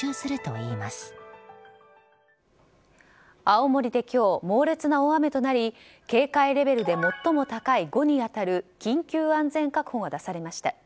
青森で今日、猛烈な大雨となり警戒レベルで最も高い５に当たる緊急安全確保が出されました。